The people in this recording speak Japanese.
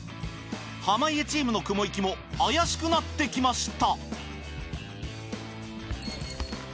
濱家チームの雲行きも怪しくなってきました。